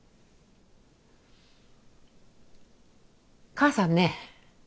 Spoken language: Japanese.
母さんね